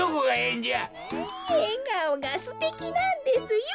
えがおがすてきなんですよ。